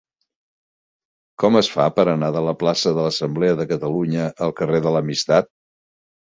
Com es fa per anar de la plaça de l'Assemblea de Catalunya al carrer de l'Amistat?